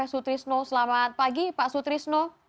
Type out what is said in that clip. sutrisno selamat pagi pak sutrisno